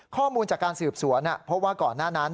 ข้อมูลจากการสืบสวนเพราะว่าก่อนหน้านั้น